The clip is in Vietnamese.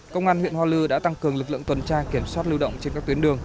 công an huyện hoa lư đã tăng cường lực lượng tuần tra kiểm soát lưu động trên các tuyến đường